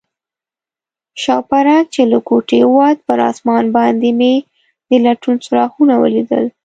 شوپرک چې له کوټې ووت، پر آسمان باندې مې د لټون څراغونه ولیدل.